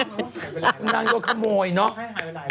คุณดังก็ขโมยเนาะ